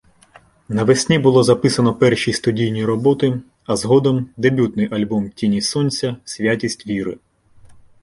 Навесні було записано перші студійні роботи, а згодом — дебютний альбом Тіні Сонця — «Святість Віри»